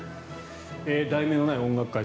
「題名のない音楽会」